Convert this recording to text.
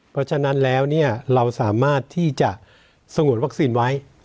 เพราะฉะนั้นแล้วเราสามารถที่จะสงวนวัคซีนไว้